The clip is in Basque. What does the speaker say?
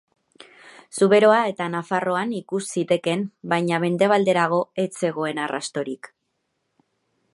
Zuberoa eta Nafarroan ikus zitekeen, baina mendebalderago ez zegoen arrastorik.